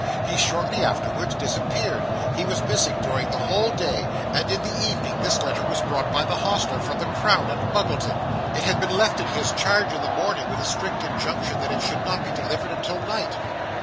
He shortly afterwards disappeared: he was missing during the whole day, and in the evening this letter was brought by the hostler from the Crown, at Muggleton. It had been left in his charge in the morning, with a strict injunction that it should not be delivered until night.